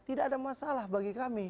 tidak ada masalah bagi kami